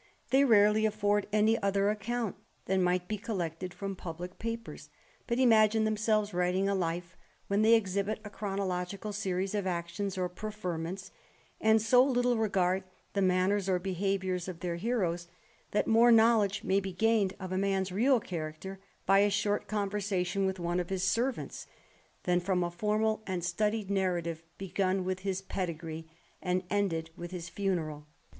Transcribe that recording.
They rarely afiford any other account than might be collected from publick papers, but imagine themselves writing a Hfe when they exhibit a chronological series of actions or preferments; and so little regard the manners or behaviour of their heroes, that more knowledge may be gained of a man's real character, by a short conversation with one of his servants, ihan from a formal and studied narrative, begun with his pedigree, and ended with his funeral.